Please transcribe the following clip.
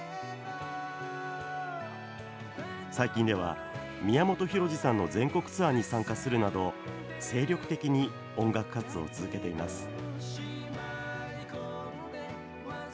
最近では、宮本浩次さんの全国ツアーに参加するなど、精力的に音楽活動を続けています。